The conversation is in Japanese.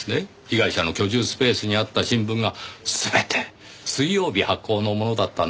被害者の居住スペースにあった新聞が全て水曜日発行のものだったんですよ。